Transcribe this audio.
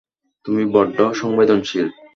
তুমি বড্ড সংবেদনশীল।